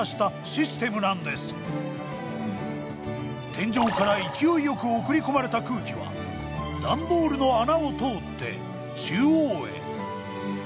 天井から勢いよく送り込まれた空気は段ボールの穴を通って中央へ。